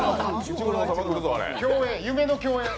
夢の共演。